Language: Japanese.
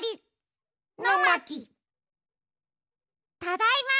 ただいま。